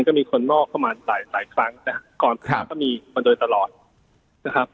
ก็มีคนนอกเข้ามาหลายหลายครั้งนะครับก่อนอื่นก็มีมาโดยตลอดนะครับ